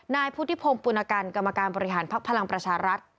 นายผู้ที่พงศ์ปุณกรรมการบริหารพักพลังประชารัฐ